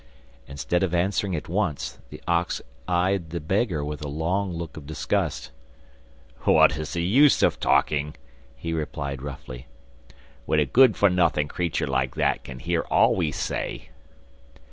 Instead of answering at once, the ox eyed the beggar with a long look of disgust. 'What is the use of talking,' he replied roughly, 'when a good for nothing creature like that can hear all we say?